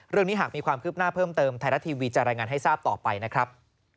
เรื่องนี้หากมีความคืบหน้าเพิ่มเติมไทยรัฐทีวีจะรายงานให้ทราบต่อไปนะครับ